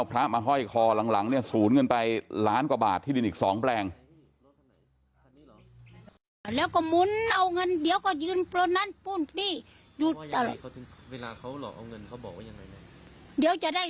เพราะว่าเคยถูกหลอกลวงเหมือนกันนะครับ